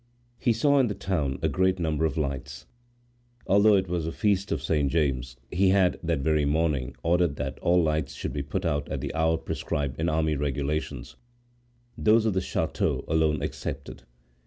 He saw in the town a great number of lights. Although it was the feast of Saint James, he had, that very morning, ordered that all lights should be put out at the hour prescribed in the army regulations, those of the chateau alone excepted.